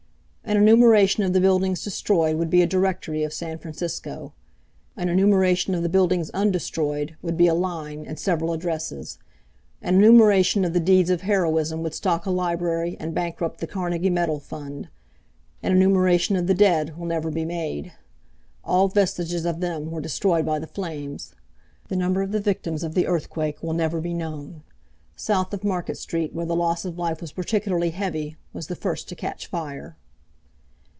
An enumeration of the buildings destroyed would be a directory of San Francisco. An enumeration of the buildings undestroyed would be a line and several addresses. An enumeration of the deeds of heroism would stock a library and bankrupt the Carnegie medal fund. An enumeration of the dead will never be made. All vestiges of them were destroyed by the flames. The number of the victims of the earthquake will never be known. South of Market Street, where the loss of life was particularly heavy, was the first to catch fire.